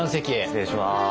失礼します。